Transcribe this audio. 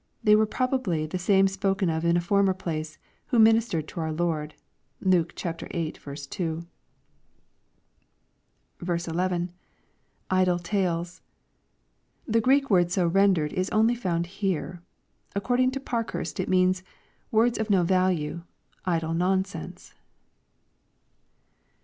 They were probably the same spoken of in a former place, who ministered to our Lord. (Luke viii. 2.) 11. — [Idle tales.] The Greek word so rendered is only found here. According to Parkhurst it means, " Words of no value ; idle non sense."